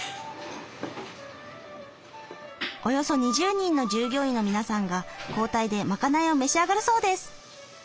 およそ２０人の従業員の皆さんが交代でまかないを召し上がるそうです。